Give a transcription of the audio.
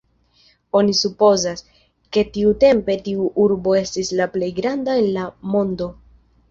Oni supozas, ke tiutempe tiu urbo estis la plej granda en la mondo.